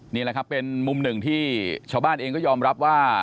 นี่แหละครับเป็นมุมหนึ่งที่ชาวบ้านเองก็ยอมรับว่า